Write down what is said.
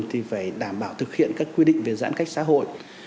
thì phải đảm bảo thực hiện các quy định về giãn cách xã hội